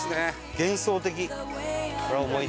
幻想的。